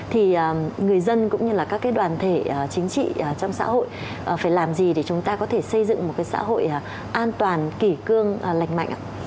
thì người dân cũng như các đoàn thể chính trị trong xã hội phải làm gì để chúng ta có thể xây dựng một xã hội an toàn kỳ cương lành mạnh